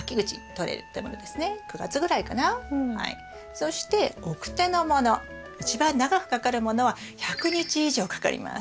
そして晩生のもの一番長くかかるものは１００日以上かかります。